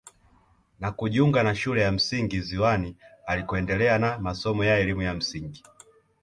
Na kujiunga na shule ya msingi ziwani alikoendelea na masomo ya elimu ya msingi